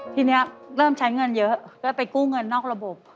ทีนี้เริ่มใช้เงินเยอะแล้วไปกู้เงินนอกระบบ